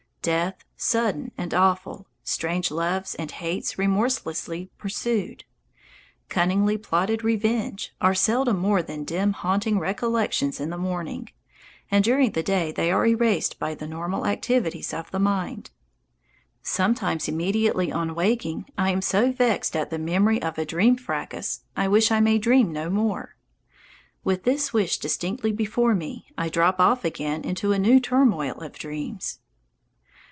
Death, sudden and awful, strange loves and hates remorselessly pursued, cunningly plotted revenge, are seldom more than dim haunting recollections in the morning, and during the day they are erased by the normal activities of the mind. Sometimes immediately on waking, I am so vexed at the memory of a dream fracas, I wish I may dream no more. With this wish distinctly before me I drop off again into a new turmoil of dreams.